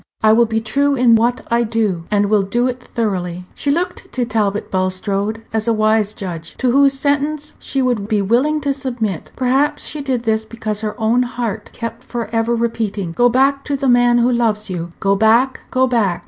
I will be true in what I do, and will do it thoroughly." She looked to Talbot Bulstrode as a wise judge, to whose sentence she would be willing to submit. Perhaps she did this because her own heart kept for ever repeating, "Go back to the man who loves you. Go back, go back!